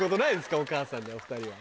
お母さんでお２人は。